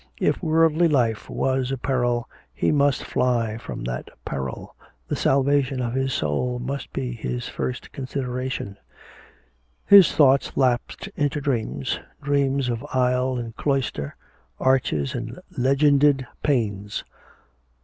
If worldly life was a peril he must fly from that peril, the salvation of his soul must be his first consideration. His thoughts lapsed into dreams dreams of aisle and cloister, arches and legended panes.